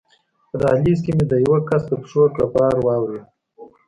په دهلېز کې مې د یوه کس د پښو کړپهار واورېد.